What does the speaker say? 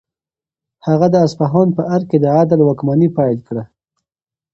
هغه د اصفهان په ارګ کې د عدل واکمني پیل کړه.